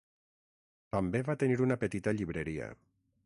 També va tenir una petita llibreria.